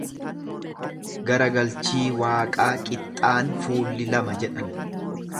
Garagalchii waaqaa qixxaan fuulli lama jedhan.